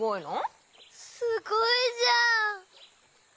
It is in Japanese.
すごいじゃん。